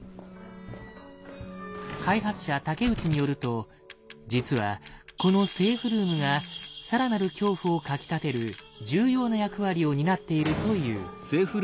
開発者竹内によると実はこのセーフルームがさらなる恐怖をかきたてる重要な役割を担っているという。